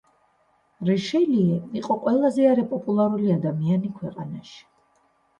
რიშელიე იყო ყველაზე არაპოპულარული ადამიანი ქვეყანაში.